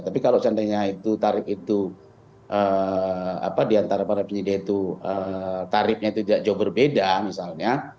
tapi kalau seandainya itu tarif itu diantara para penyedia itu tarifnya itu tidak jauh berbeda misalnya